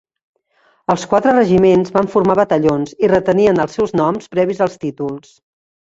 Els quatre regiments van formar batallons, i retenien els seus noms previs als títols.